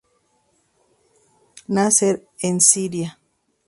Nasser en Siria.